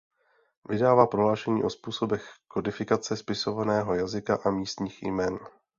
Vydává prohlášení o způsobech kodifikace spisovného jazyka a místních jmen.